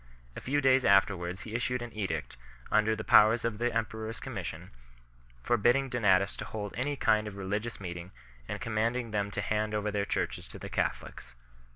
A few days afterwards he issued an edict, under the powers of the emperor s commission, forbidding Donatists to hold any kind of religious meeting and commanding them to hand over their churches to the Catholics.